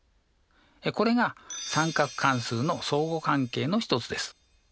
これが三角関数の相互関係の一つです。